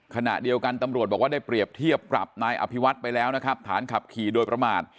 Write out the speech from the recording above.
ขณะเดียวกันตำรวจบอกว่าได้เปรียบเทียบปรับนายอภิวัตไปแล้วนะครับฐานขับขี่โดยประมาท